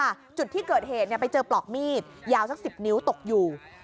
จุดที่เกิดเหตุไปเจอปลอกมีดยาวสัก๑๐นิ้วตกอยู่